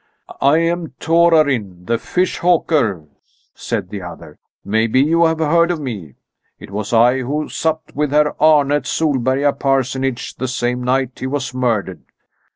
"I am Torarin the fish hawker," said the other; "maybe you have heard of me? It was I who supped with Herr Arne at Solberga parsonage the same night he was murdered.